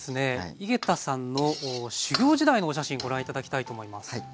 井桁さんの修業時代のお写真ご覧頂きたいと思います。